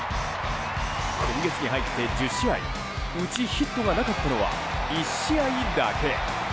今月に入って１０試合うちヒットがなかったのは１試合だけ。